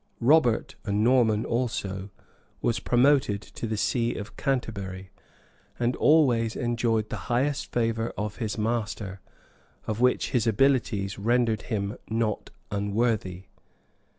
Robert, a Norman also, was promoted to the see of Canterbury,[] and always enjoyed the highest favor of his master, of which his abilities rendered him not unworthy.